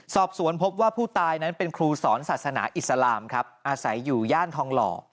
สอบสวนพบว่าผู้ตายนั้นเป็นครูสอนศาสนาอิสลามครับอาศัยอยู่ย่านทองหล่อ